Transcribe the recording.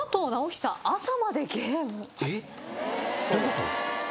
どういうこと？